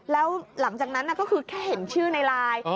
แล้วหลังจากนั้นก็คือแค่เห็นชื่อในไลน์